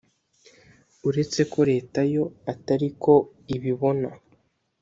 uretse ko Leta yo atariko ibibona